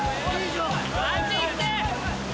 あっち行って！